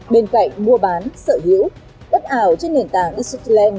bên cạnh mua bán sở hữu đất ảo trên nền tảng isuckland